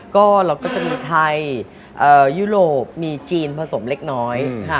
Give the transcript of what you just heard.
ก็เราก็จะมีไทยยุโรปมีจีนผสมเล็กน้อย